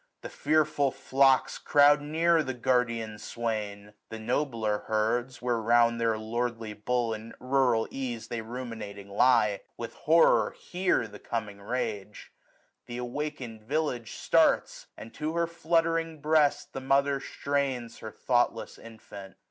The fearful flocks Croud near the guardian swain ; the nobler herds. Where round their lordly bull, in rural ease, 930 They ruminating lie, with horror hear The coming rage. Th* awaken'd village starts ; And to her fluttering breast the mother strains Her thoughtless infant.